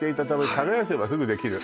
「耕せばすぐ出来る」